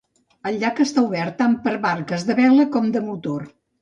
El llac està obert tant per a barques de vela com de motor.